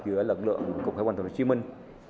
giữa lực lượng cục thái quan thủy hồ chí minh